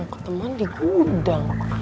ketemuan di gudang